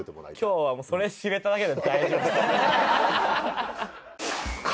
今日はもうそれ知れただけで大丈夫。